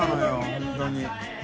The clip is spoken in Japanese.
本当に。